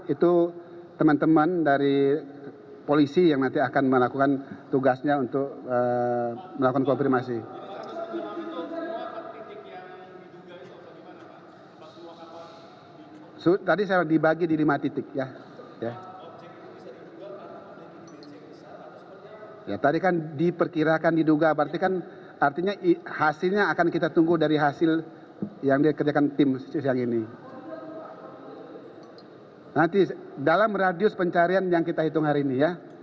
itu teman teman dari polisi yang nanti akan melakukan tugasnya untuk melakukan kooprimasi